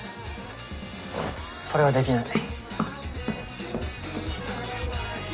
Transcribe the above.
それはできない。